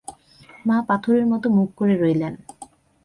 মা পাথরের মতো মুখ করে রইলেন।